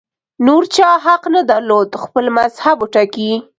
نور چا حق نه درلود خپل مذهب وټاکي